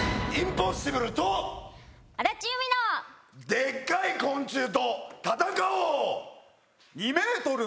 でっかい昆虫と戦おう！